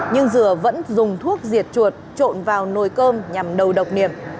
nhưng dừa vẫn dùng thuốc diệt chuột trộn vào nồi cơm nhằm đầu độc